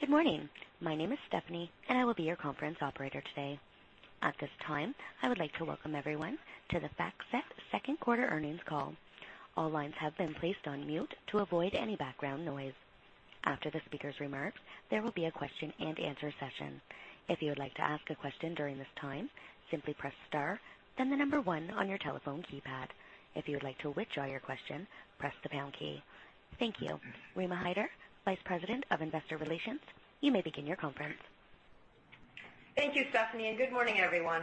Good morning. My name is Stephanie. I will be your conference operator today. At this time, I would like to welcome everyone to the FactSet second quarter earnings call. All lines have been placed on mute to avoid any background noise. After the speaker's remarks, there will be a question and answer session. If you would like to ask a question during this time, simply press star, then the number 1 on your telephone keypad. If you would like to withdraw your question, press the pound key. Thank you. Rima Hyder, Vice President of Investor Relations, you may begin your conference. Thank you, Stephanie. Good morning, everyone.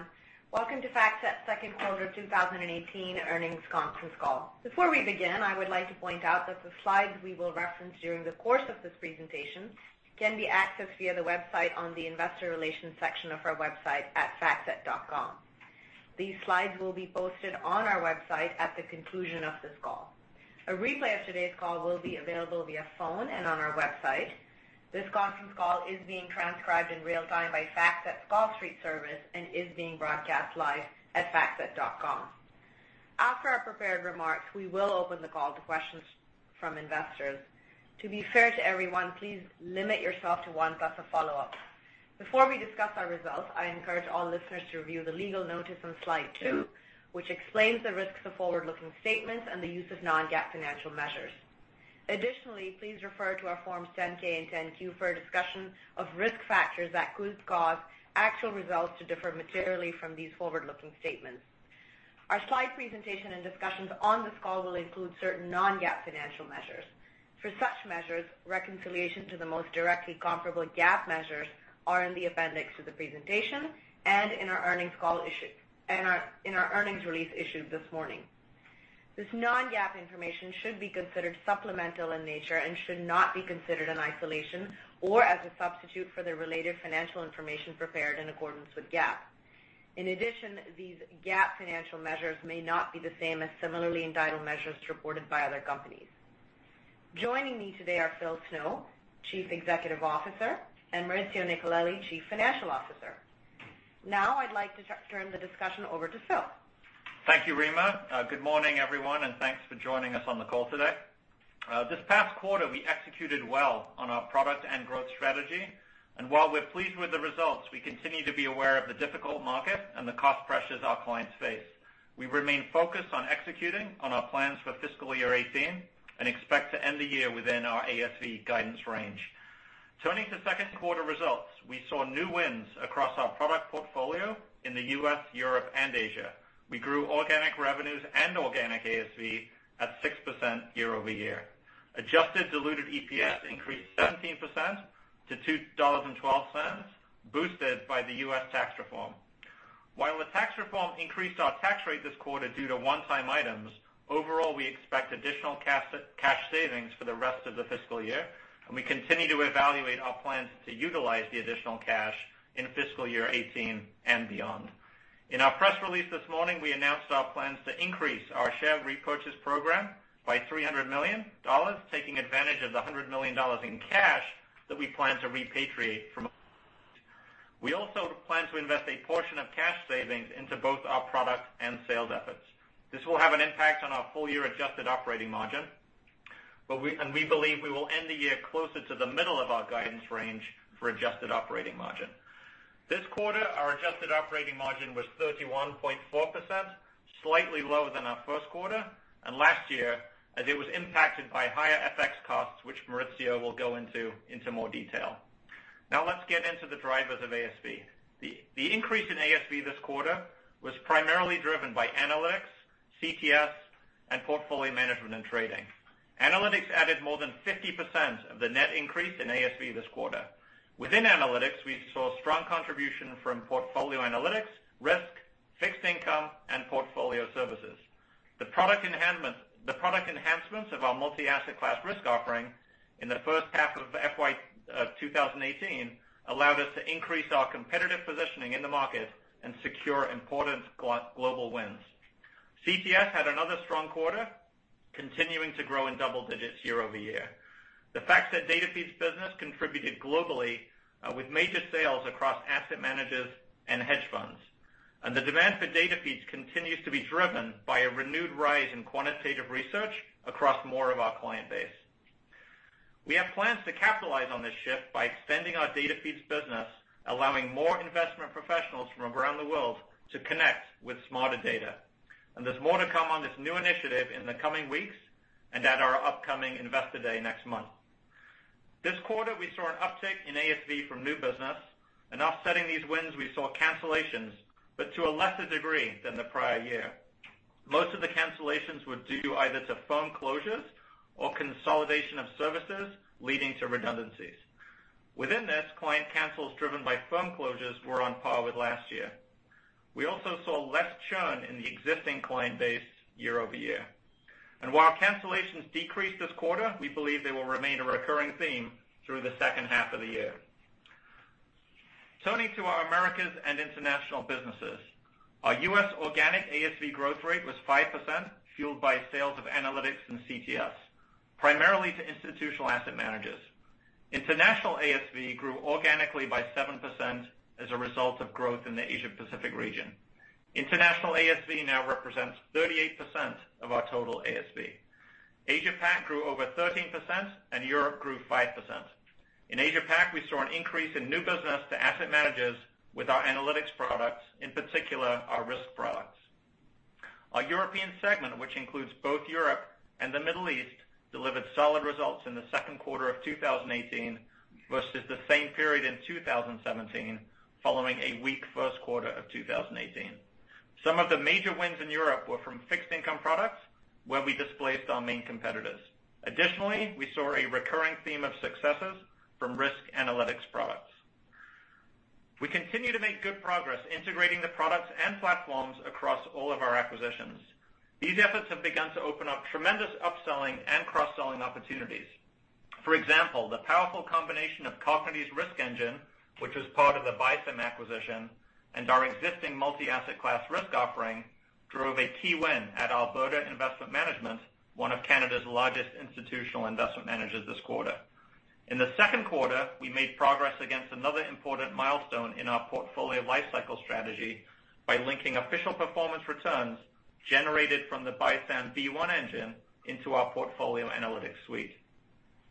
Welcome to FactSet second quarter of 2018 earnings conference call. Before we begin, I would like to point out that the slides we will reference during the course of this presentation can be accessed via the website on the Investor Relations section of our website at factset.com. These slides will be posted on our website at the conclusion of this call. A replay of today's call will be available via phone and on our website. This conference call is being transcribed in real time by FactSet's CallStreet service and is being broadcast live at factset.com. After our prepared remarks, we will open the call to questions from investors. To be fair to everyone, please limit yourself to 1 plus a follow-up. Before we discuss our results, I encourage all listeners to review the legal notice on slide two, which explains the risks of forward-looking statements and the use of non-GAAP financial measures. Additionally, please refer to our Forms 10-K and 10-Q for a discussion of risk factors that could cause actual results to differ materially from these forward-looking statements. Our slide presentation and discussions on this call will include certain non-GAAP financial measures. For such measures, reconciliation to the most directly comparable GAAP measures are in the appendix to the presentation and in our earnings release issued this morning. This non-GAAP information should be considered supplemental in nature and should not be considered in isolation or as a substitute for the related financial information prepared in accordance with GAAP. In addition, these GAAP financial measures may not be the same as similarly entitled measures reported by other companies. Joining me today are Phil Snow, Chief Executive Officer, and Maurizio Nicolelli, Chief Financial Officer. Now I'd like to turn the discussion over to Phil. Thank you, Rima. Good morning, everyone, and thanks for joining us on the call today. This past quarter, we executed well on our product and growth strategy. While we're pleased with the results, we continue to be aware of the difficult market and the cost pressures our clients face. We remain focused on executing on our plans for FY 2018 and expect to end the year within our ASV guidance range. Turning to second quarter results, we saw new wins across our product portfolio in the U.S., Europe, and Asia. We grew organic revenues and organic ASV at 6% year-over-year. Adjusted diluted EPS increased 17% to $2.12, boosted by the U.S. tax reform. While the tax reform increased our tax rate this quarter due to one-time items, overall, we expect additional cash savings for the rest of the fiscal year. We continue to evaluate our plans to utilize the additional cash in FY 2018 and beyond. In our press release this morning, we announced our plans to increase our share repurchase program by $300 million, taking advantage of the $100 million in cash that we plan to repatriate from abroad. We also plan to invest a portion of cash savings into both our product and sales efforts. This will have an impact on our full-year adjusted operating margin, and we believe we will end the year closer to the middle of our guidance range for adjusted operating margin. This quarter, our adjusted operating margin was 31.4%, slightly lower than our first quarter and last year, as it was impacted by higher FX costs, which Maurizio will go into more detail. Let's get into the drivers of ASV. The increase in ASV this quarter was primarily driven by analytics, CTS, and portfolio management and trading. Analytics added more than 50% of the net increase in ASV this quarter. Within analytics, we saw strong contribution from portfolio analytics, risk, fixed income, and portfolio services. The product enhancements of our multi-asset class risk offering in the first half of FY 2018 allowed us to increase our competitive positioning in the market and secure important global wins. CTS had another strong quarter, continuing to grow in double digits year-over-year. The FactSet data feeds business contributed globally with major sales across asset managers and hedge funds. The demand for data feeds continues to be driven by a renewed rise in quantitative research across more of our client base. We have plans to capitalize on this shift by extending our data feeds business, allowing more investment professionals from around the world to connect with smarter data. There's more to come on this new initiative in the coming weeks and at our upcoming investor day next month. This quarter, we saw an uptick in ASV from new business. Offsetting these wins, we saw cancellations, but to a lesser degree than the prior year. Most of the cancellations were due either to firm closures or consolidation of services, leading to redundancies. Within this, client cancels driven by firm closures were on par with last year. We also saw less churn in the existing client base year-over-year. While cancellations decreased this quarter, we believe they will remain a recurring theme through the second half of the year. Turning to our Americas and international businesses. Our U.S. organic ASV growth rate was 5%, fueled by sales of analytics and CTS, primarily to institutional asset managers. International ASV grew organically by 7% as a result of growth in the Asia Pacific region. International ASV now represents 38% of our total ASV. Asia Pac grew over 13%, and Europe grew 5%. In Asia Pac, we saw an increase in new business to asset managers with our analytics products, in particular our risk products. Our European segment, which includes both Europe and the Middle East, delivered solid results in the second quarter of 2018 versus the same period in 2017, following a weak first quarter of 2018. Some of the major wins in Europe were from fixed income products, where we displaced our main competitors. We saw a recurring theme of successes from risk analytics products. We continue to make good progress integrating the products and platforms across all of our acquisitions. These efforts have begun to open up tremendous upselling and cross-selling opportunities. For example, the powerful combination of [Caupenne's] risk engine, which was part of the BISAM acquisition, and our existing multi-asset class risk offering, drove a key win at Alberta Investment Management, one of Canada's largest institutional investment managers this quarter. In the second quarter, we made progress against another important milestone in our portfolio lifecycle strategy by linking official performance returns generated from the BISAM B-One engine into our portfolio analytics suite.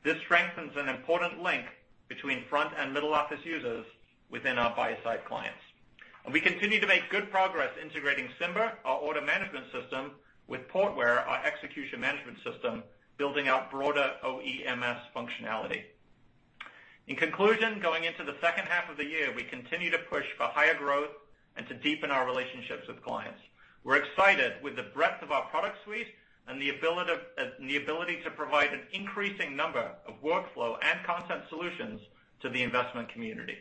This strengthens an important link between front and middle-office users within our buy-side clients. We continue to make good progress integrating CYMBA, our order management system, with Portware, our execution management system, building out broader OEMS functionality. In conclusion, going into the second half of the year, we continue to push for higher growth and to deepen our relationships with clients. We're excited with the breadth of our product suite and the ability to provide an increasing number of workflow and content solutions to the investment community.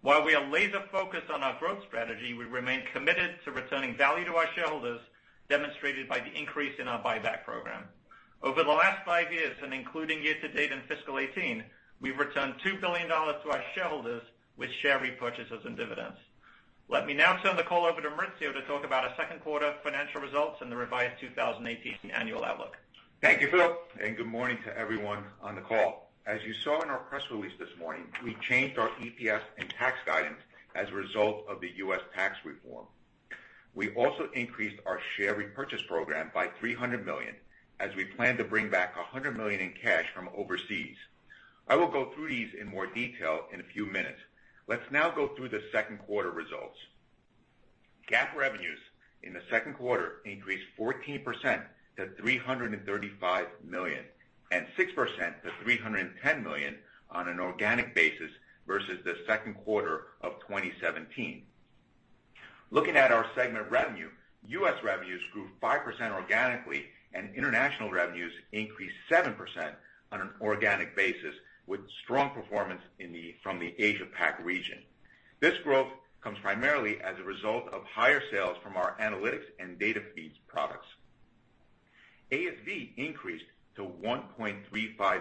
While we are laser-focused on our growth strategy, we remain committed to returning value to our shareholders, demonstrated by the increase in our buyback program. Over the last five years and including year to date in fiscal 2018, we've returned $2 billion to our shareholders with share repurchases and dividends. Let me now turn the call over to Maurizio to talk about our second quarter financial results and the revised 2018 annual outlook. Thank you, Philip, and good morning to everyone on the call. As you saw in our press release this morning, we changed our EPS and tax guidance as a result of the U.S. tax reform. We also increased our share repurchase program by $300 million as we plan to bring back $100 million in cash from overseas. I will go through these in more detail in a few minutes. Let's now go through the second quarter results. GAAP revenues in the second quarter increased 14% to $335 million, and 6% to $310 million on an organic basis versus the second quarter of 2017. Looking at our segment revenue, U.S. revenues grew 5% organically, and international revenues increased 7% on an organic basis with strong performance from the Asia Pac region. This growth comes primarily as a result of higher sales from our analytics and data feeds products. ASV increased to $1.35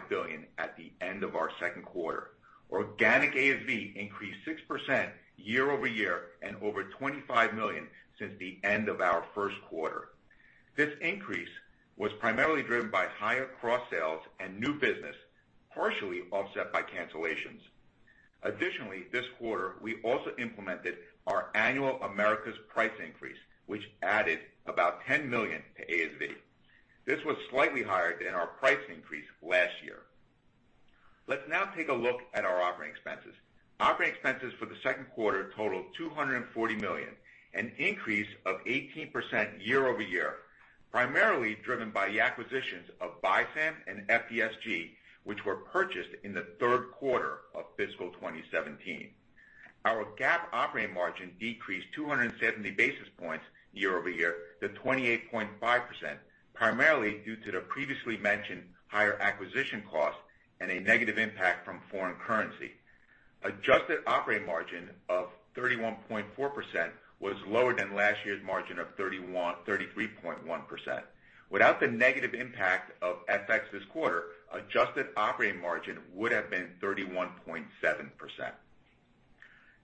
billion at the end of our second quarter. Organic ASV increased 6% year-over-year and over $25 million since the end of our first quarter. This increase was primarily driven by higher cross-sales and new business, partially offset by cancellations. Additionally, this quarter, we also implemented our annual Americas price increase, which added about $10 million to ASV. This was slightly higher than our price increase last year. Let's now take a look at our operating expenses. Operating expenses for the second quarter totaled $240 million, an increase of 18% year-over-year, primarily driven by the acquisitions of BISAM and FDSG, which were purchased in the third quarter of fiscal 2017. Our GAAP operating margin decreased 270 basis points year-over-year to 28.5%, primarily due to the previously mentioned higher acquisition costs and a negative impact from foreign currency. Adjusted operating margin of 31.4% was lower than last year's margin of 33.1%. Without the negative impact of FX this quarter, adjusted operating margin would have been 31.7%.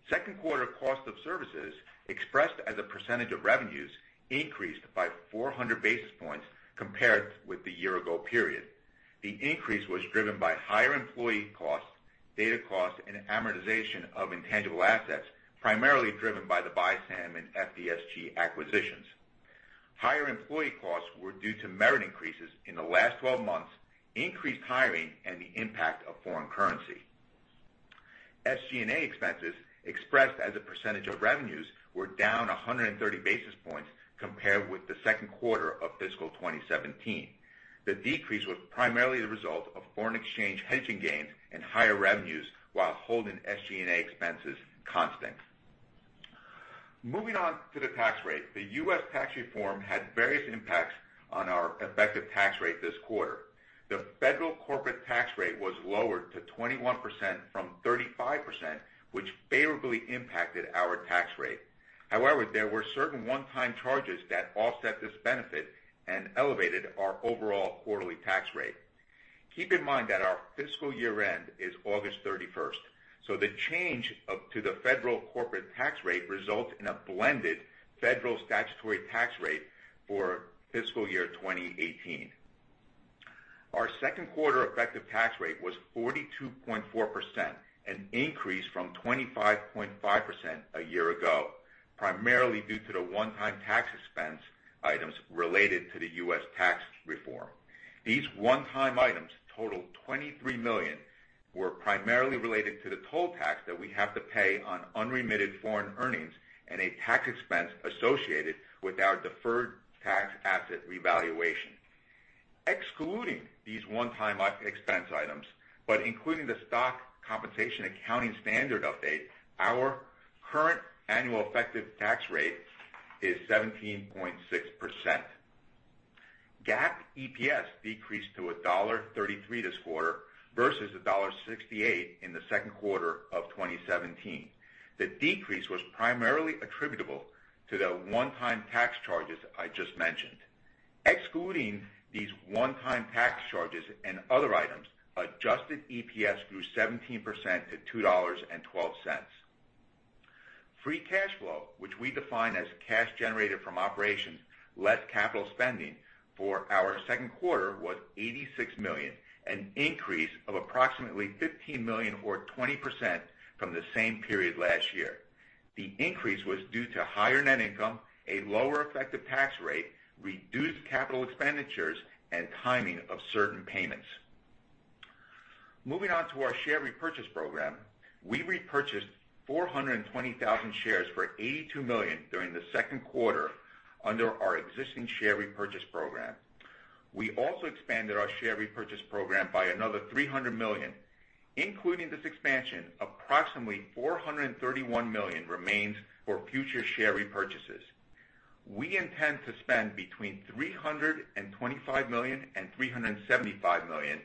Second quarter cost of services expressed as a percentage of revenues increased by 400 basis points compared with the year-ago period. The increase was driven by higher employee costs, data costs, and amortization of intangible assets, primarily driven by the BISAM and FDSG acquisitions. Higher employee costs were due to merit increases in the last 12 months, increased hiring, and the impact of foreign currency. SG&A expenses expressed as a percentage of revenues were down 130 basis points compared with the second quarter of fiscal 2017. The decrease was primarily the result of foreign exchange hedging gains and higher revenues while holding SG&A expenses constant. Moving on to the tax rate. The U.S. tax reform had various impacts on our effective tax rate this quarter. The federal corporate tax rate was lowered to 21% from 35%, which favorably impacted our tax rate. There were certain one-time charges that offset this benefit and elevated our overall quarterly tax rate. Keep in mind that our fiscal year-end is August 31st. The change to the federal corporate tax rate results in a blended federal statutory tax rate for fiscal year 2018. Our second quarter effective tax rate was 42.4%, an increase from 25.5% a year ago, primarily due to the one-time tax expense items related to the U.S. tax reform. These one-time items totaled $23 million, were primarily related to the toll tax that we have to pay on unremitted foreign earnings and a tax expense associated with our deferred tax asset revaluation. Excluding these one-time expense items, including the stock compensation accounting standard update, our current annual effective tax rate is 17.6%. GAAP EPS decreased to $1.33 this quarter versus $1.68 in the second quarter of 2017. The decrease was primarily attributable to the one-time tax charges I just mentioned. Excluding these one-time tax charges and other items, adjusted EPS grew 17% to $2.12. Free cash flow, which we define as cash generated from operations less capital spending for our second quarter was $86 million, an increase of approximately $15 million or 20% from the same period last year. The increase was due to higher net income, a lower effective tax rate, reduced capital expenditures, and timing of certain payments. Moving on to our share repurchase program. We repurchased 420,000 shares for $82 million during the second quarter under our existing share repurchase program. We also expanded our share repurchase program by another $300 million. Including this expansion, approximately $431 million remains for future share repurchases. We intend to spend between $325 million and $375 million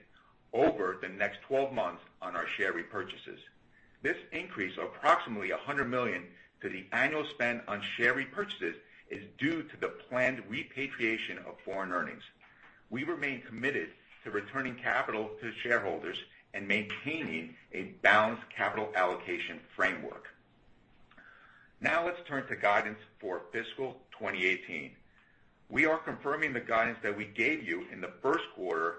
over the next 12 months on our share repurchases. This increase of approximately $100 million to the annual spend on share repurchases is due to the planned repatriation of foreign earnings. We remain committed to returning capital to shareholders and maintaining a balanced capital allocation framework. Now let's turn to guidance for fiscal 2018. We are confirming the guidance that we gave you in the first quarter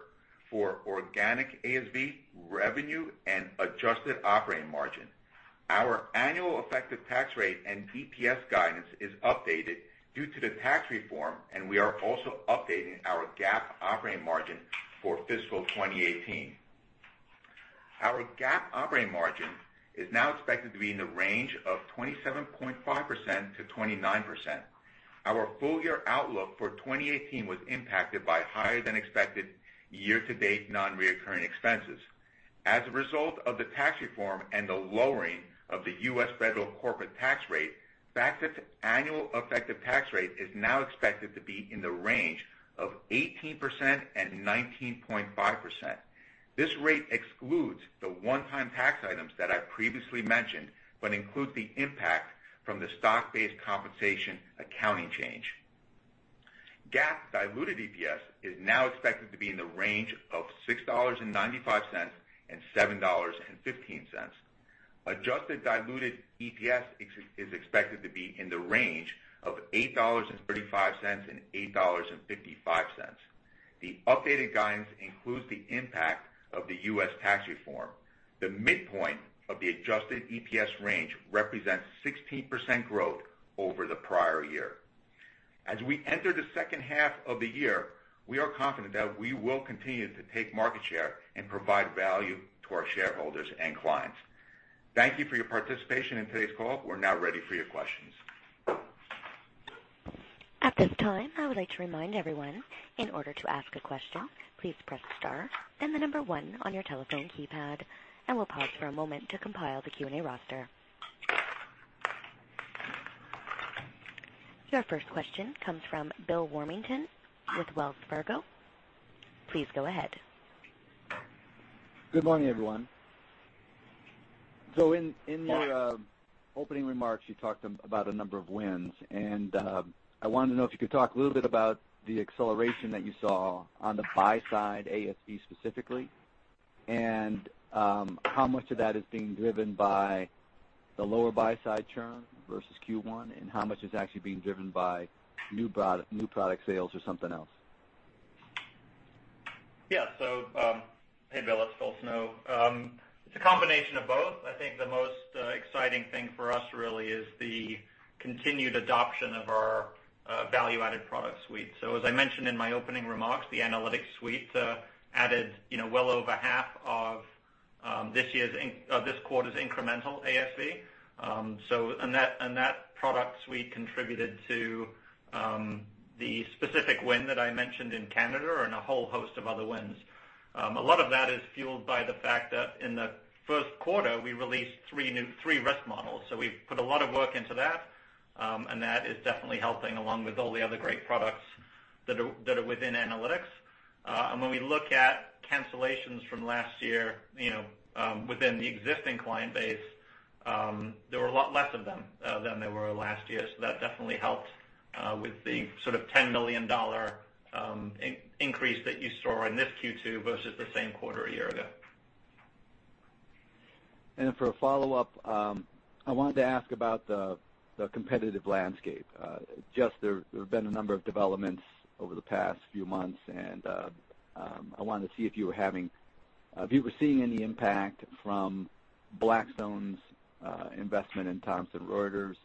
for organic ASV revenue and adjusted operating margin. Our annual effective tax rate and DPS guidance is updated due to the tax reform, and we are also updating our GAAP operating margin for fiscal 2018. Our GAAP operating margin is now expected to be in the range of 27.5%-29%. Our full-year outlook for 2018 was impacted by higher than expected year-to-date non-recurring expenses. As a result of the tax reform and the lowering of the U.S. federal corporate tax rate, FactSet's annual effective tax rate is now expected to be in the range of 18% and 19.5%. This rate excludes the one-time tax items that I previously mentioned but includes the impact from the stock-based compensation accounting change. GAAP diluted EPS is now expected to be in the range of $6.95 and $7.15. Adjusted diluted EPS is expected to be in the range of $8.35 and $8.55. The updated guidance includes the impact of the U.S. tax reform. The midpoint of the adjusted EPS range represents 16% growth over the prior year. As we enter the second half of the year, we are confident that we will continue to take market share and provide value to our shareholders and clients. Thank you for your participation in today's call. We're now ready for your questions. At this time, I would like to remind everyone, in order to ask a question, please press star then the number one on your telephone keypad, and we'll pause for a moment to compile the Q&A roster. Your first question comes from Bill Warmington with Wells Fargo. Please go ahead. Good morning, everyone. In your opening remarks, you talked about a number of wins, and I wanted to know if you could talk a little bit about the acceleration that you saw on the BuySide ASV specifically, and how much of that is being driven by the lower BuySide churn versus Q1, and how much is actually being driven by new product sales or something else? Hey, Bill. It's Phil Snow. It's a combination of both. I think the most exciting thing for us really is the continued adoption of our value-added product suite. As I mentioned in my opening remarks, the analytics suite added well over half of this quarter's incremental ASV. That product suite contributed to the specific win that I mentioned in Canada and a whole host of other wins. A lot of that is fueled by the fact that in the first quarter, we released three risk models. We've put a lot of work into that, and that is definitely helping along with all the other great products that are within analytics. When we look at cancellations from last year within the existing client base, there were a lot less of them than there were last year. That definitely helped with the sort of $10 million increase that you saw in this Q2 versus the same quarter a year ago. For a follow-up, I wanted to ask about the competitive landscape. There have been a number of developments over the past few months, and I wanted to see if you were seeing any impact from Blackstone's investment in Thomson Reuters,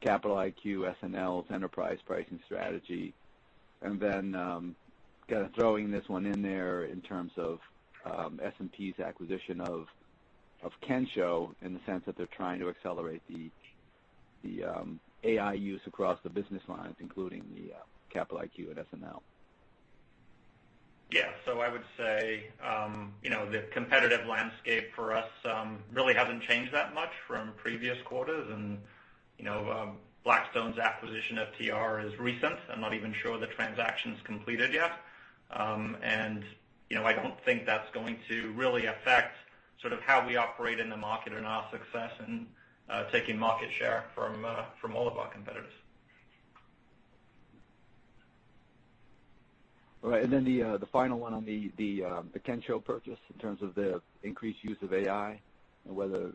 Capital IQ, S&P's enterprise pricing strategy, and then throwing this one in there in terms of S&P's acquisition of Kensho, in the sense that they're trying to accelerate the AI use across the business lines, including the Capital IQ at S&P. Yeah. I would say the competitive landscape for us really hasn't changed that much from previous quarters. Blackstone's acquisition of TR is recent. I'm not even sure the transaction's completed yet. I don't think that's going to really affect how we operate in the market and our success in taking market share from all of our competitors. All right. The final one on the Kensho purchase in terms of the increased use of AI and whether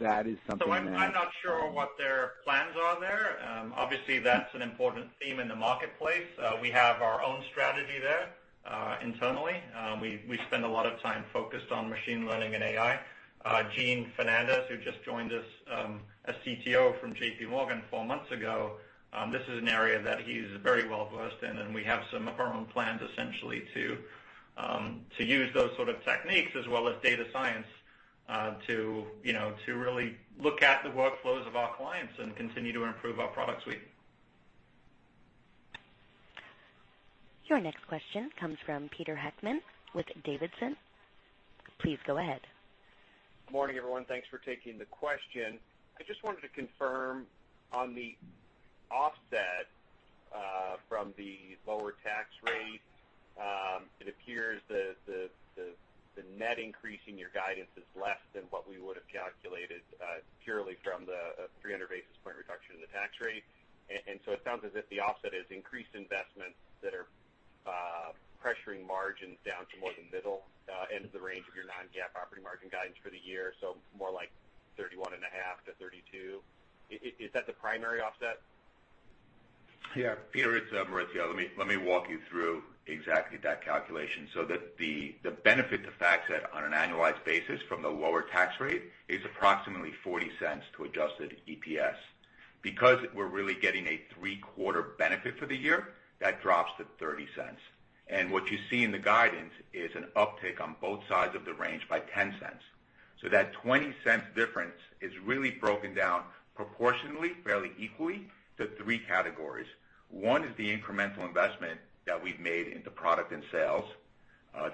that is something that I'm not sure what their plans are there. Obviously, that's an important theme in the marketplace. We have our own strategy there internally. We spend a lot of time focused on machine learning and AI. Gene Fernandez, who just joined us as CTO from JP Morgan four months ago, this is an area that he's very well versed in, we have some of our own plans essentially to use those sort of techniques as well as data science to really look at the workflows of our clients and continue to improve our product suite. Your next question comes from Peter Heckmann with Davidson. Please go ahead. Good morning, everyone. Thanks for taking the question. I just wanted to confirm on the offset from the lower tax rate, it appears the net increase in your guidance is less than what we would have calculated purely from the 300 basis point reduction in the tax rate. It sounds as if the offset is increased investments that are pressuring margins down to more the middle end of the range of your non-GAAP operating margin guidance for the year, so more like 31.5%-32%. Is that the primary offset? Yeah. Peter, it's Maurizio. Let me walk you through exactly that calculation. The benefit to FactSet on an annualized basis from the lower tax rate is approximately $0.40 to adjusted EPS. Because we're really getting a three-quarter benefit for the year, that drops to $0.30. What you see in the guidance is an uptick on both sides of the range by $0.10. That $0.20 difference is really broken down proportionally, fairly equally, to three categories. One is the incremental investment that we've made into product and sales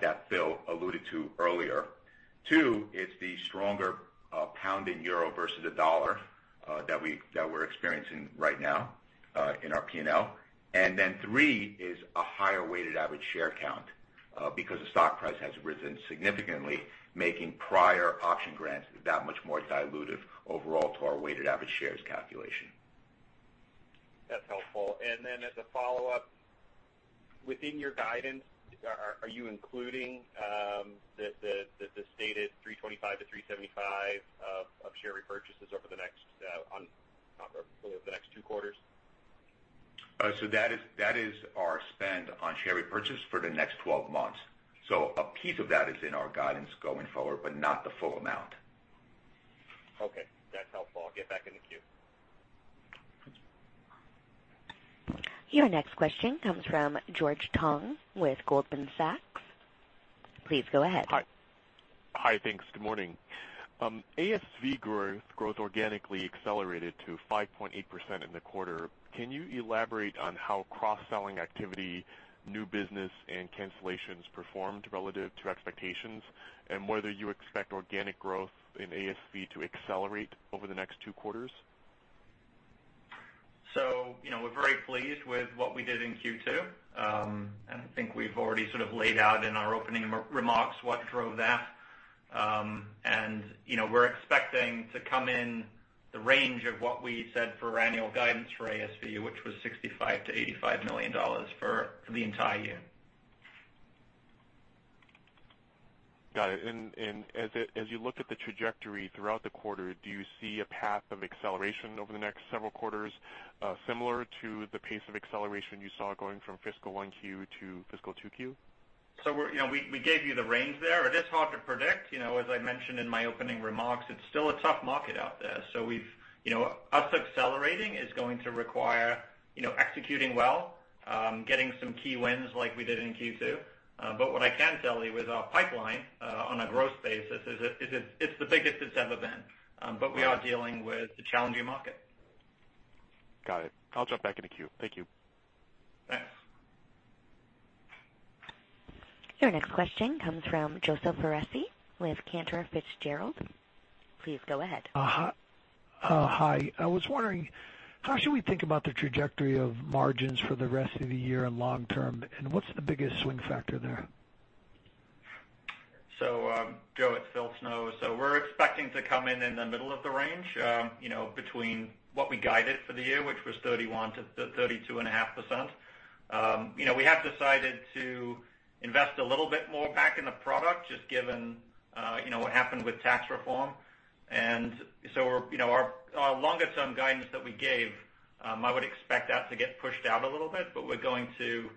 that Phil alluded to earlier. Two, it's the stronger pound and euro versus the dollar that we're experiencing right now in our P&L. Three is a higher weighted average share count because the stock price has risen significantly, making prior option grants that much more dilutive overall to our weighted average shares calculation. That's helpful. As a follow-up, within your guidance, are you including the stated $325-$375 of share repurchases over the next two quarters? That is our spend on share repurchase for the next 12 months. A piece of that is in our guidance going forward, but not the full amount. Okay. That's helpful. I'll get back in the queue. Your next question comes from George Tong with Goldman Sachs. Please go ahead. Hi. Thanks. Good morning. ASV growth organically accelerated to 5.8% in the quarter. Can you elaborate on how cross-selling activity, new business, and cancellations performed relative to expectations, and whether you expect organic growth in ASV to accelerate over the next two quarters? We're very pleased with what we did in Q2. I think we've already sort of laid out in our opening remarks what drove that. We're expecting to come in the range of what we said for annual guidance for ASV, which was $65 million-$85 million for the entire year. Got it. As you look at the trajectory throughout the quarter, do you see a path of acceleration over the next several quarters similar to the pace of acceleration you saw going from fiscal 1Q to fiscal 2Q? We gave you the range there. It is hard to predict. As I mentioned in my opening remarks, it's still a tough market out there. Us accelerating is going to require executing well, getting some key wins like we did in Q2. What I can tell you with our pipeline on a growth basis is it's the biggest it's ever been. We are dealing with a challenging market. Got it. I'll jump back in the queue. Thank you. Thanks. Your next question comes from Joseph Foresi with Cantor Fitzgerald. Please go ahead. Hi. I was wondering, how should we think about the trajectory of margins for the rest of the year and long term, and what's the biggest swing factor there? Joe, it's Phil Snow. We're expecting to come in in the middle of the range between what we guided for the year, which was 31%-32.5%. We have decided to invest a little bit more back in the product, just given what happened with tax reform. Our longer-term guidance that we gave, I would expect that to get pushed out a little bit, but we're going to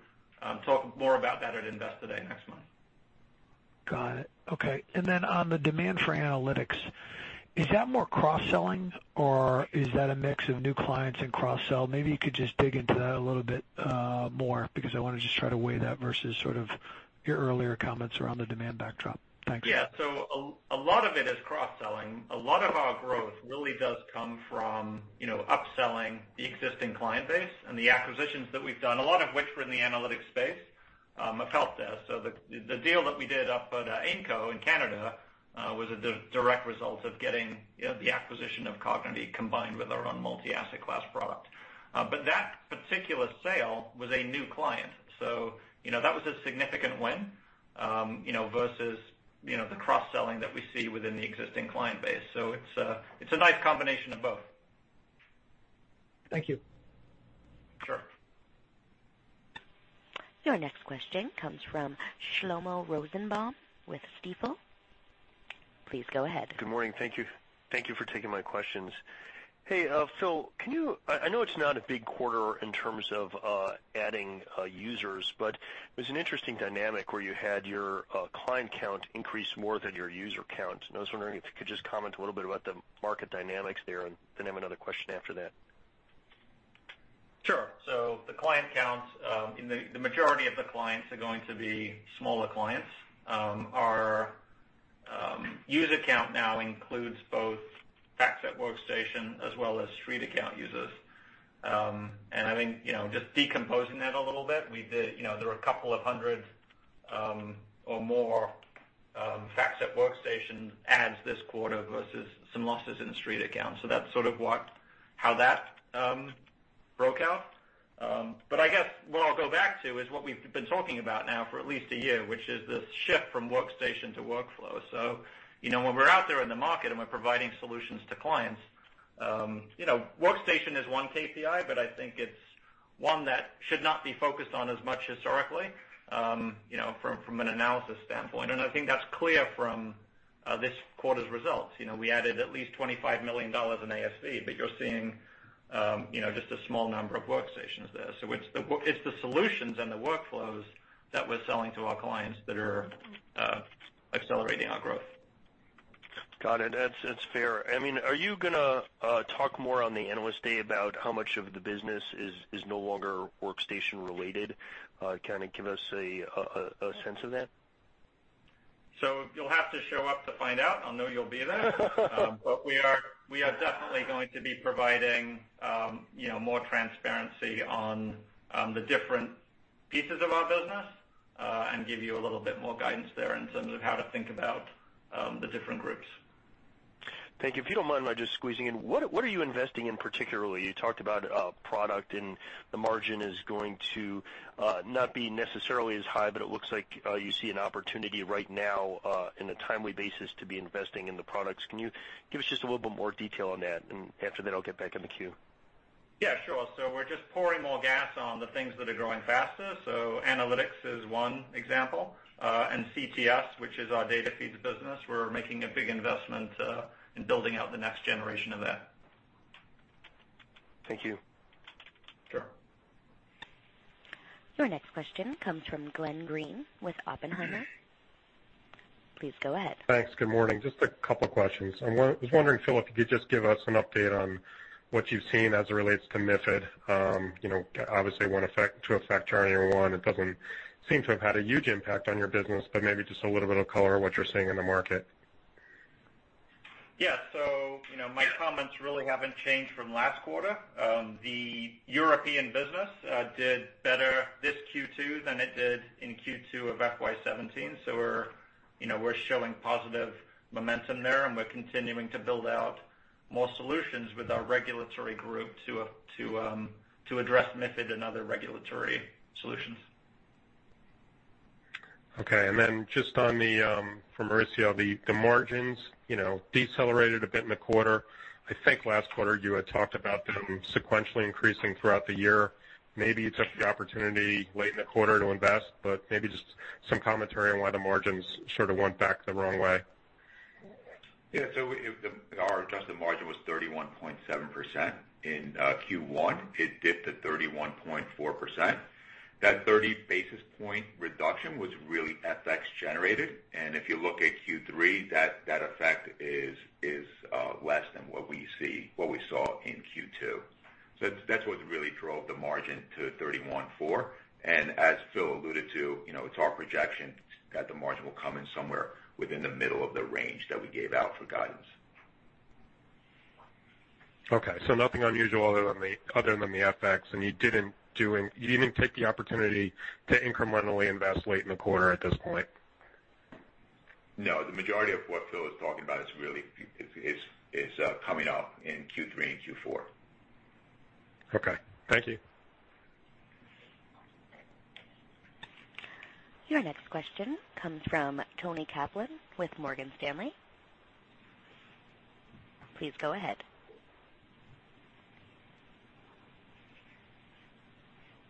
talk more about that at Investor Day next month. Got it. Okay. On the demand for analytics, is that more cross-selling or is that a mix of new clients and cross-sell? Maybe you could just dig into that a little bit more because I want to just try to weigh that versus sort of your earlier comments around the demand backdrop. Thanks. Yeah. A lot of it is cross-selling. A lot of our growth really does come from upselling the existing client base and the acquisitions that we've done, a lot of which were in the analytics space of health desk. The deal that we did up at AIMCo in Canada was a direct result of getting the acquisition of Cognity combined with our own multi-asset class product. That particular sale was a new client, so that was a significant win versus the cross-selling that we see within the existing client base. It's a nice combination of both. Thank you. Sure. Your next question comes from Shlomo Rosenbaum with Stifel. Please go ahead. Good morning. Thank you for taking my questions. Hey, Phil, I know it's not a big quarter in terms of adding users. There's an interesting dynamic where you had your client count increase more than your user count. I was wondering if you could just comment a little bit about the market dynamics there. Then I have another question after that. Sure. The client counts, the majority of the clients are going to be smaller clients. Our user count now includes both FactSet workstation as well as StreetAccount users. I think just decomposing that a little bit, there were a couple of hundred or more FactSet workstation adds this quarter versus some losses in the StreetAccount. That's sort of how that broke out. I guess what I'll go back to is what we've been talking about now for at least a year, which is this shift from workstation to workflow. When we're out there in the market and we're providing solutions to clients, workstation is one KPI, but I think it's one that should not be focused on as much historically from an analysis standpoint. I think that's clear from this quarter's results. We added at least $25 million in ASV, you're seeing just a small number of workstations there. It's the solutions and the workflows that we're selling to our clients that are accelerating our growth. Got it. That's fair. Are you going to talk more on the Analyst Day about how much of the business is no longer workstation related? Kind of give us a sense of that. You'll have to show up to find out. I'll know you'll be there. We are definitely going to be providing more transparency on the different pieces of our business, and give you a little bit more guidance there in terms of how to think about the different groups. Thank you. If you don't mind me just squeezing in, what are you investing in particularly? You talked about product and the margin is going to not be necessarily as high, but it looks like you see an opportunity right now on a timely basis to be investing in the products. Can you give us just a little bit more detail on that? After that, I'll get back in the queue. Yeah, sure. We're just pouring more gas on the things that are growing faster. Analytics is one example. CTS, which is our data feeds business, we're making a big investment in building out the next generation of that. Thank you. Sure. Your next question comes from Glenn Greene with Oppenheimer. Please go ahead. Thanks. Good morning. Just a couple of questions. I was wondering, Phil, if you could just give us an update on what you've seen as it relates to MiFID. Obviously to effect January 1, it doesn't seem to have had a huge impact on your business, but maybe just a little bit of color on what you're seeing in the market. Yeah. My comments really haven't changed from last quarter. The European business did better this Q2 than it did in Q2 of FY 2017. We're showing positive momentum there, and we're continuing to build out more solutions with our regulatory group to address MiFID and other regulatory solutions. Okay, just on the-- for Maurizio, the margins decelerated a bit in the quarter. I think last quarter you had talked about them sequentially increasing throughout the year. Maybe you took the opportunity late in the quarter to invest, maybe just some commentary on why the margins sort of went back the wrong way. Yeah. Our adjusted margin was 31.7% in Q1. It dipped to 31.4%. That 30 basis point reduction was really FX generated. If you look at Q3, that effect is less than what we saw in Q2. That's what really drove the margin to 31.4%. As Phil alluded to, it's our projection that the margin will come in somewhere within the middle of the range that we gave out for guidance. Okay, nothing unusual other than the FX. You didn't take the opportunity to incrementally invest late in the quarter at this point. No, the majority of what Phil is talking about is coming out in Q3 and Q4. Okay. Thank you. Your next question comes from Toni Kaplan with Morgan Stanley. Please go ahead.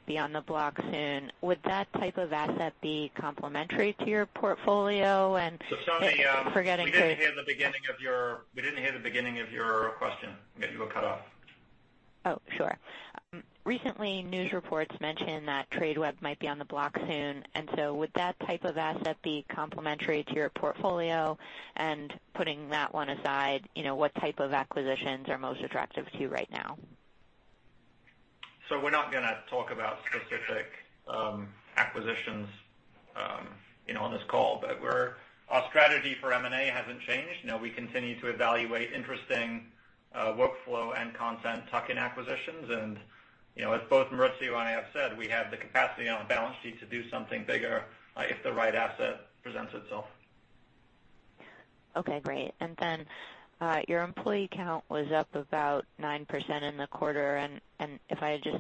Be on the block soon. Would that type of asset be complementary to your portfolio? Toni, we didn't hear the beginning of your question. You were cut off. Oh, sure. Recently, news reports mentioned that Tradeweb might be on the block soon. Would that type of asset be complementary to your portfolio? Putting that one aside, what type of acquisitions are most attractive to you right now? We're not going to talk about specific acquisitions on this call. Our strategy for M&A hasn't changed. We continue to evaluate interesting workflow and content tuck-in acquisitions. As both Maurizio and I have said, we have the capacity on the balance sheet to do something bigger, if the right asset presents itself. Okay, great. Your employee count was up about 9% in the quarter. If I just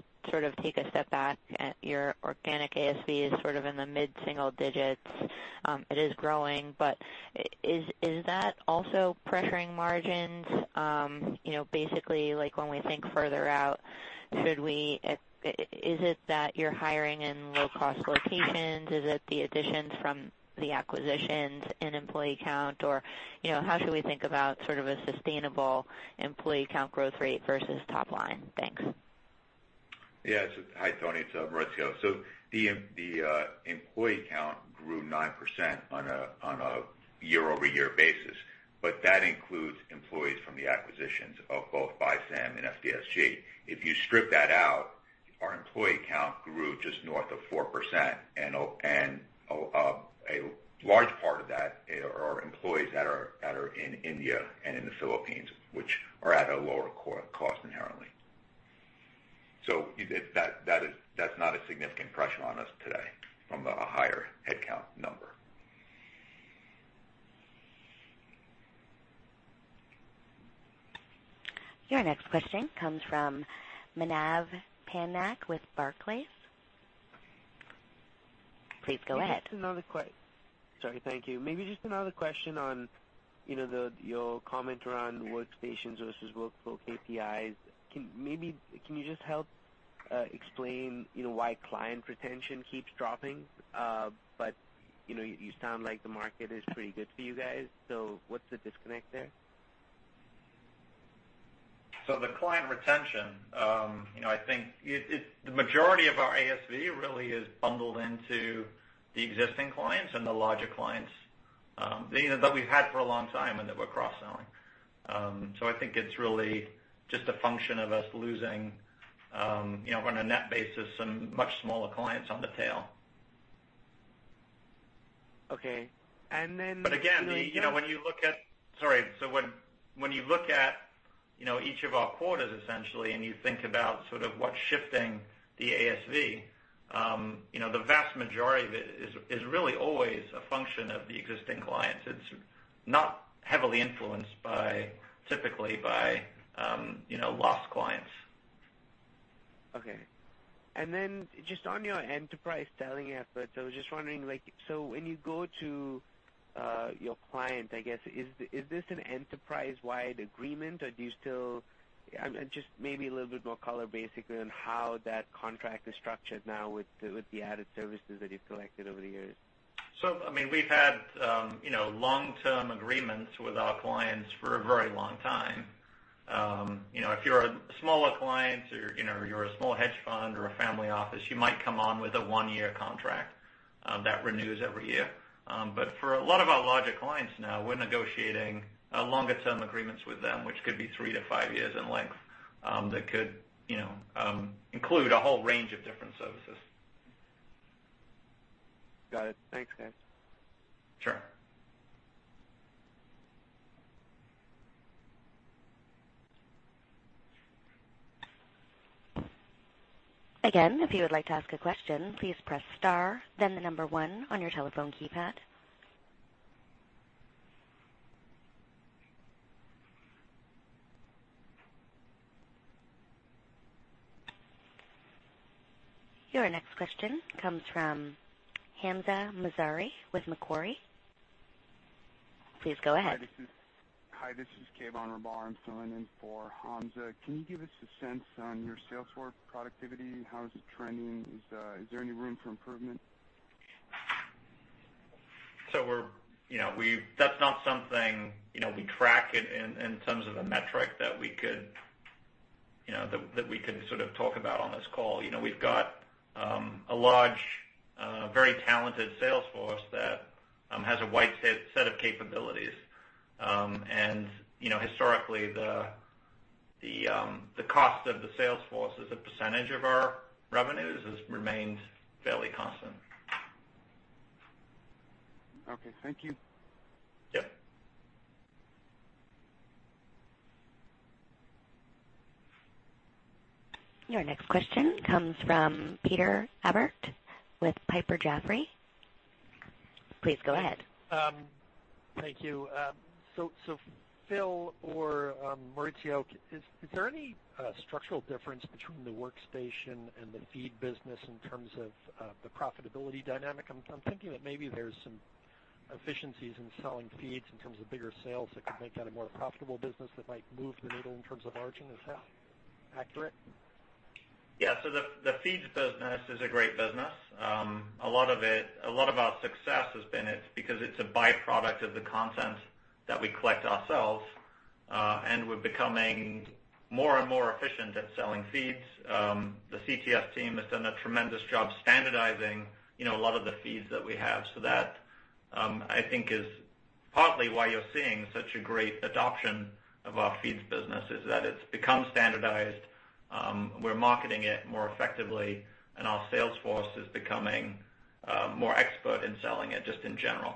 take a step back at your organic ASV is in the mid-single digits. It is growing, but is that also pressuring margins? Basically, when we think further out, is it that you're hiring in low-cost locations? Is it the additions from the acquisitions in employee count, or how should we think about a sustainable employee count growth rate versus top line? Thanks. Hi, Toni, it's Maurizio. The employee count grew 9% on a year-over-year basis, but that includes employees from the acquisitions of both BISAM and FDSG. If you strip that out, our employee count grew just north of 4%, and a large part of that are employees that are in India and in the Philippines, which are at a lower cost inherently. That's not a significant pressure on us today from a higher headcount number. Your next question comes from Manav Patnaik with Barclays. Please go ahead. Sorry. Thank you. Maybe just another question on your comment around workstations versus workflow KPIs. Maybe, can you just help explain why client retention keeps dropping? You sound like the market is pretty good for you guys. What's the disconnect there? The client retention, I think the majority of our ASV really is bundled into the existing clients and the larger clients that we've had for a long time, and that we're cross-selling. I think it's really just a function of us losing, on a net basis, some much smaller clients on the tail. Okay. Again, when you look at Sorry. When you look at each of our quarters, essentially, and you think about what's shifting the ASV, the vast majority of it is really always a function of the existing clients. It's not heavily influenced, typically, by lost clients. Okay. Just on your enterprise selling efforts, I was just wondering, when you go to your client, I guess, is this an enterprise-wide agreement? Just maybe a little bit more color, basically, on how that contract is structured now with the added services that you've collected over the years. We've had long-term agreements with our clients for a very long time. If you're a smaller client or you're a small hedge fund or a family office, you might come on with a one-year contract that renews every year. For a lot of our larger clients now, we're negotiating longer-term agreements with them, which could be three to five years in length, that could include a whole range of different services. Got it. Thanks, guys. Sure. Again, if you would like to ask a question, please press star, then the number one on your telephone keypad. Your next question comes from Hamzah Mazari with Macquarie. Please go ahead. Hi, this is Kayvon Rahbar. I'm filling in for Hamza. Can you give us a sense on your sales force productivity? How is it trending? Is there any room for improvement? That's not something we track in terms of a metric that we could talk about on this call. We've got a large, very talented sales force that has a wide set of capabilities. Historically, the cost of the sales force as a percentage of our revenues has remained fairly constant. Okay. Thank you. Yep. Your next question comes from Peter Appert with Piper Jaffray. Please go ahead. Thank you. Phil or Maurizio, is there any structural difference between the workstation and the feed business in terms of the profitability dynamic? I'm thinking that maybe there's some efficiencies in selling feeds in terms of bigger sales that could make that a more profitable business that might move the needle in terms of margin. Is that accurate? Yeah. The feeds business is a great business. A lot of our success has been because it's a byproduct of the content that we collect ourselves, and we're becoming more and more efficient at selling feeds. The CTS team has done a tremendous job standardizing a lot of the feeds that we have. That, I think, is partly why you're seeing such a great adoption of our feeds business, is that it's become standardized. We're marketing it more effectively, and our sales force is becoming more expert in selling it, just in general.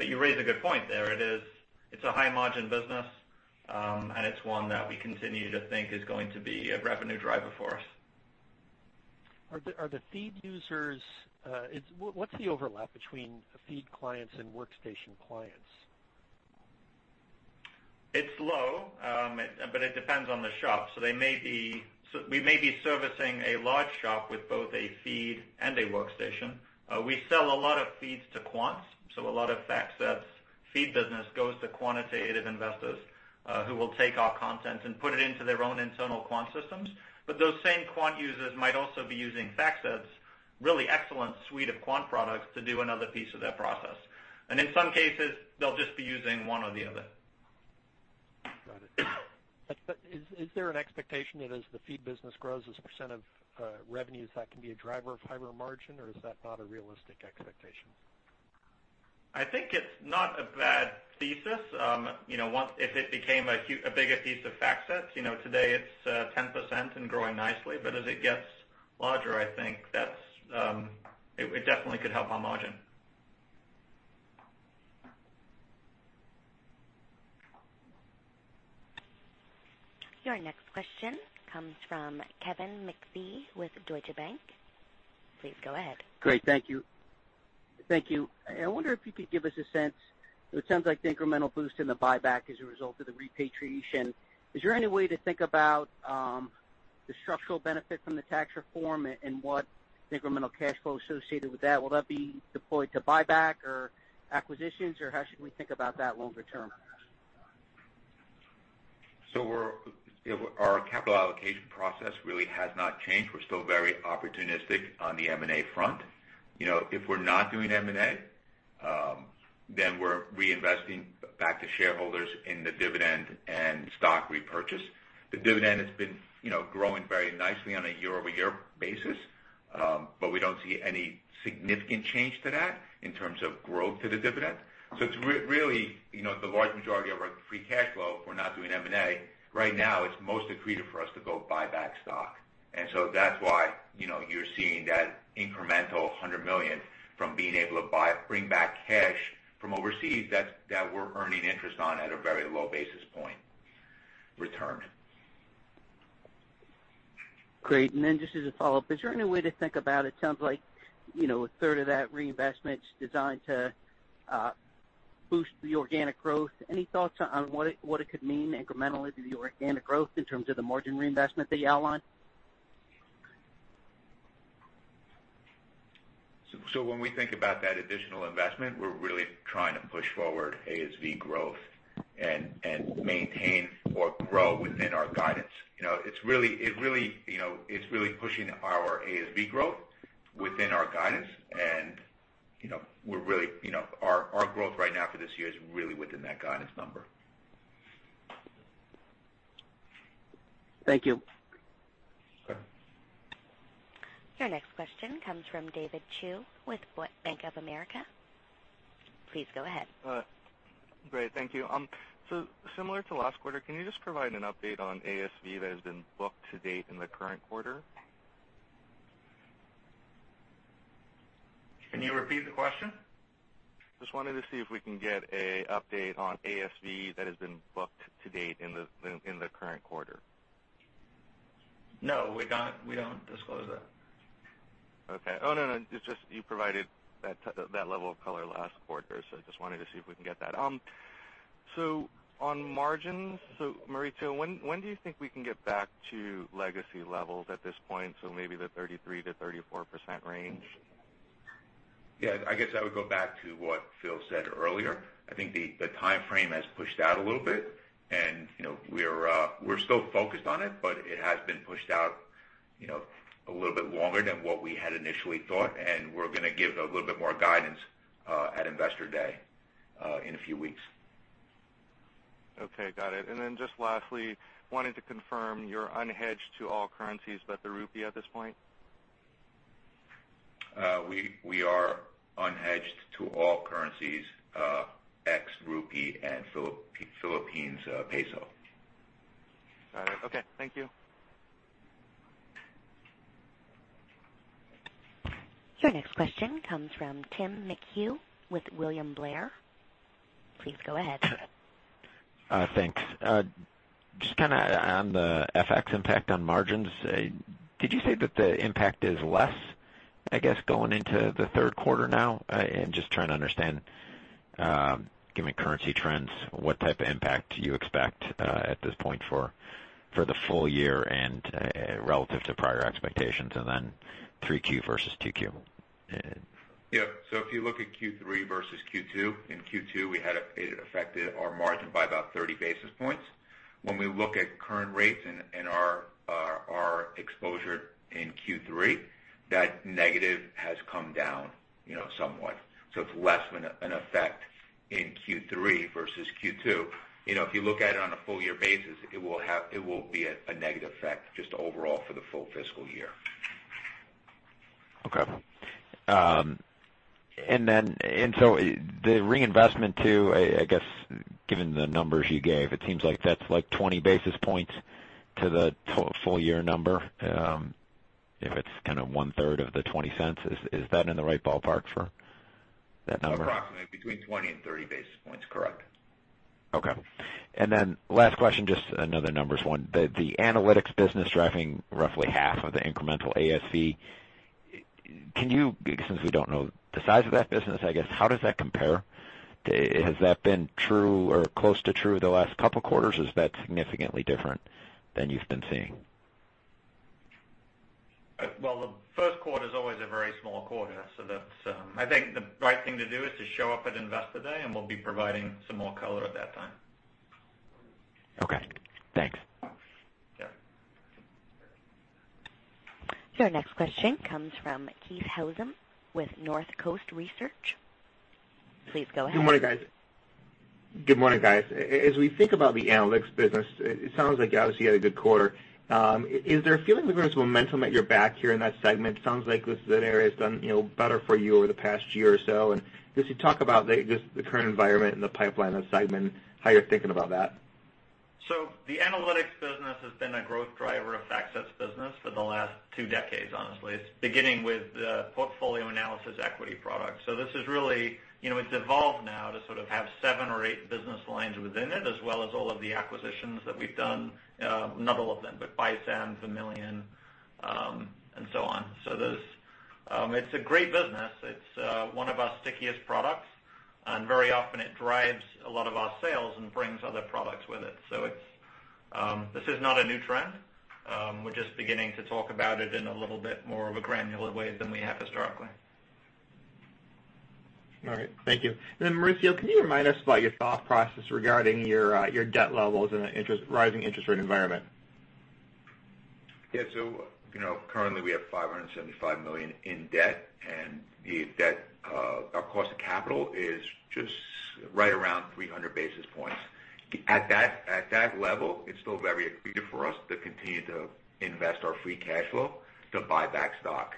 You raise a good point there. It's a high-margin business, and it's one that we continue to think is going to be a revenue driver for us. What's the overlap between feed clients and workstation clients? It's low, but it depends on the shop. We may be servicing a large shop with both a feed and a workstation. We sell a lot of feeds to quants, a lot of FactSet's feed business goes to quantitative investors, who will take our content and put it into their own internal quant systems. Those same quant users might also be using FactSet's really excellent suite of quant products to do another piece of that process. In some cases, they'll just be using one or the other. Got it. Is there an expectation that as the feed business grows, as a % of revenues, that can be a driver of higher margin, or is that not a realistic expectation? I think it's not a bad thesis. If it became a bigger piece of FactSet, today it's 10% and growing nicely. As it gets larger, I think it definitely could help our margin. Your next question comes from Kevin McVeigh with Deutsche Bank. Please go ahead. Great. Thank you. I wonder if you could give us a sense, it sounds like the incremental boost in the buyback is a result of the repatriation. Is there any way to think about the structural benefit from the tax reform and what incremental cash flow associated with that? Will that be deployed to buyback or acquisitions, or how should we think about that longer term? Our capital allocation process really has not changed. We're still very opportunistic on the M&A front. If we're not doing M&A, then we're reinvesting back to shareholders in the dividend and stock repurchase. The dividend has been growing very nicely on a year-over-year basis. We don't see any significant change to that in terms of growth to the dividend. It's really, the large majority of our free cash flow, if we're not doing M&A, right now, it's most accretive for us to go buy back stock. That's why you're seeing that incremental $100 million from being able to bring back cash from overseas that we're earning interest on at a very low basis point return. Great. Just as a follow-up, is there any way to think about, it sounds like a third of that reinvestment's designed to boost the organic growth. Any thoughts on what it could mean incrementally to the organic growth in terms of the margin reinvestment that you outlined? When we think about that additional investment, we're really trying to push forward ASV growth and maintain or grow within our guidance. It's really pushing our ASV growth within our guidance, and our growth right now for this year is really within that guidance number. Thank you. Okay. Your next question comes from David Chu with Bank of America. Please go ahead. Great. Thank you. Similar to last quarter, can you just provide an update on ASV that has been booked to date in the current quarter? Can you repeat the question? Just wanted to see if we can get an update on ASV that has been booked to date in the current quarter. No, we don't disclose that. Okay. Oh, no, it's just you provided that level of color last quarter, I just wanted to see if we can get that. On margins, Maurizio, when do you think we can get back to legacy levels at this point, maybe the 33%-34% range? Yeah. I guess I would go back to what Phil said earlier. I think the timeframe has pushed out a little bit, and we're still focused on it, but it has been pushed out a little bit longer than what we had initially thought, and we're going to give a little bit more guidance at Investor Day in a few weeks. Okay, got it. Just lastly, wanted to confirm you're unhedged to all currencies but the rupee at this point? We are unhedged to all currencies ex rupee and Philippine peso. Got it. Okay. Thank you. Your next question comes from Tim McHugh with William Blair. Please go ahead. Thanks. Just on the FX impact on margins, did you say that the impact is less, I guess, going into the 3Q now? Just trying to understand, given currency trends, what type of impact you expect at this point for the full year and relative to prior expectations, and then 3Q versus 2Q. Yeah. If you look at Q3 versus Q2, in Q2, it affected our margin by about 30 basis points. When we look at current rates and our exposure in Q3, that negative has come down somewhat. It's less of an effect in Q3 versus Q2. If you look at it on a full year basis, it will be a negative effect just overall for the full fiscal year. Okay. The reinvestment too, I guess, given the numbers you gave, it seems like that's 20 basis points to the full year number. If it's one-third of the $0.20. Is that in the right ballpark for that number? Approximately between 20 and 30 basis points. Correct. Okay. Last question, just another numbers one. The analytics business driving roughly half of the incremental ASV. Since we don't know the size of that business, I guess, how does that compare? Has that been true or close to true the last couple of quarters, or is that significantly different than you've been seeing? Well, the first quarter's always a very small quarter. I think the right thing to do is to show up at Investor Day, and we'll be providing some more color at that time. Okay, thanks. Sure. Your next question comes from Keith Housum with Northcoast Research. Please go ahead. Good morning, guys. As we think about the analytics business, it sounds like you obviously had a good quarter. Is there a feeling there's momentum at your back here in that segment? Sounds like this is an area that's done better for you over the past year or so. Just talk about just the current environment and the pipeline of the segment, how you're thinking about that. The analytics business has been a growth driver of FactSet's business for the last two decades, honestly, beginning with the portfolio analysis equity product. This has evolved now to sort of have seven or eight business lines within it, as well as all of the acquisitions that we've done. Not all of them, but BuySide, Vermilion, and so on. It's a great business. It's one of our stickiest products, and very often it drives a lot of our sales and brings other products with it. This is not a new trend. We're just beginning to talk about it in a little bit more of a granular way than we have historically. All right, thank you. Then Maurizio, can you remind us about your thought process regarding your debt levels in the rising interest rate environment? Currently, we have $575 million in debt, our cost of capital is just right around 300 basis points. At that level, it's still very accretive for us to continue to invest our free cash flow to buy back stock.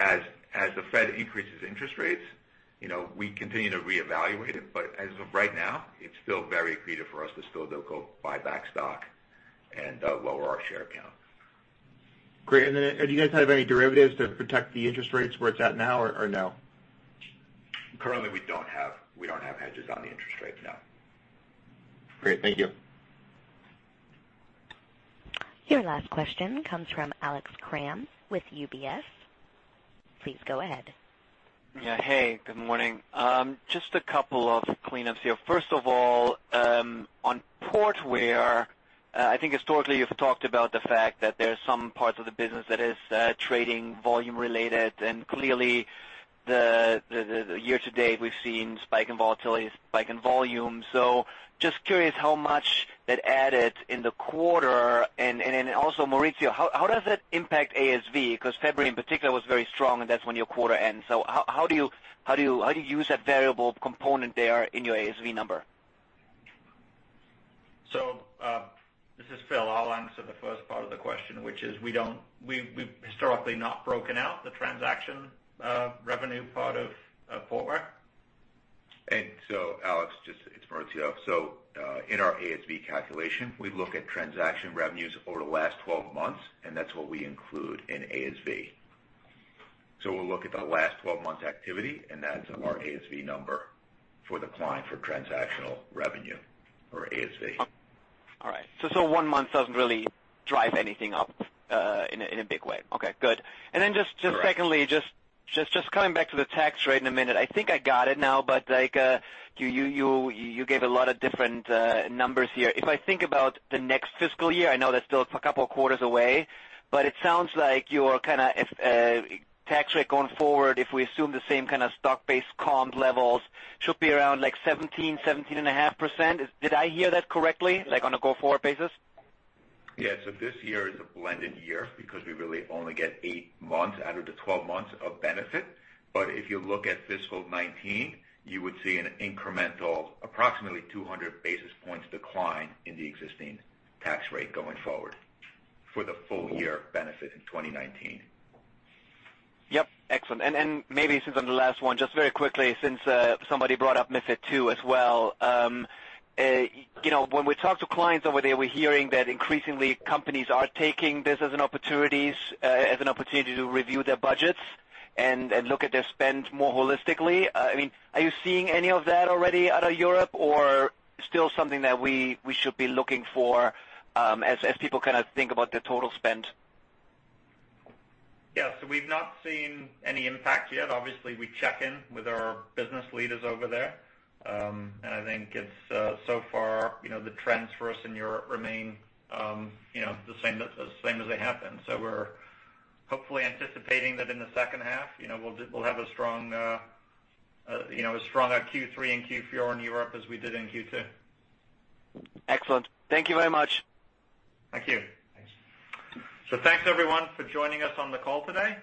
As the Fed increases interest rates, we continue to reevaluate it. As of right now, it's still very accretive for us to still go buy back stock and lower our share count. Great. Do you guys have any derivatives to protect the interest rates where it's at now or no? Currently, we don't have hedges on the interest rate, no. Great. Thank you. Your last question comes from Alex Kramm with UBS. Please go ahead. Yeah. Hey, good morning. Just a couple of cleanups here. First of all, on Portware, I think historically you've talked about the fact that there's some parts of the business that is trading volume related, and clearly the year to date, we've seen spike in volatility, spike in volume. Just curious how much that added in the quarter. Then also Maurizio, how does that impact ASV? Because February in particular was very strong, and that's when your quarter ends. How do you use that variable component there in your ASV number? This is Phil. I'll answer the first part of the question, which is we've historically not broken out the transaction revenue part of Portware. Alex, it's Maurizio. In our ASV calculation, we look at transaction revenues over the last 12 months, and that's what we include in ASV. We'll look at the last 12 months activity, and that's our ASV number for the client for transactional revenue for ASV. All right. One month doesn't really drive anything up in a big way. Okay, good. Correct. Just secondly, just coming back to the tax rate in a minute. I think I got it now, but you gave a lot of different numbers here. If I think about the next fiscal year, I know that's still a couple of quarters away, but it sounds like your tax rate going forward, if we assume the same kind of stock-based comp levels, should be around 17%-17.5%? Did I hear that correctly on a go-forward basis? Yeah. This year is a blended year because we really only get eight months out of the 12 months of benefit. If you look at FY 2019, you would see an incremental approximately 200 basis points decline in the existing tax rate going forward for the full year benefit in 2019. Yep. Excellent. Maybe since I'm the last one, just very quickly, since somebody brought up MiFID II as well. When we talk to clients over there, we're hearing that increasingly companies are taking this as an opportunity to review their budgets and look at their spend more holistically. Are you seeing any of that already out of Europe, or still something that we should be looking for as people kind of think about their total spend? We've not seen any impact yet. Obviously, we check in with our business leaders over there. I think so far the trends for us in Europe remain the same as they have been. We're hopefully anticipating that in the second half, we'll have as strong a Q3 and Q4 in Europe as we did in Q2. Excellent. Thank you very much. Thank you. Thanks. Thanks everyone for joining us on the call today.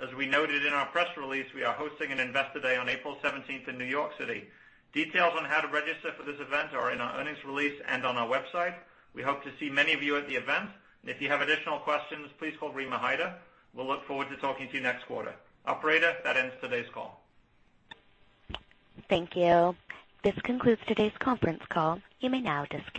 As we noted in our press release, we are hosting an Investor Day on April 17th in New York City. Details on how to register for this event are in our earnings release and on our website. We hope to see many of you at the event. If you have additional questions, please call Rima Hyder. We'll look forward to talking to you next quarter. Operator, that ends today's call. Thank you. This concludes today's conference call. You may now disconnect.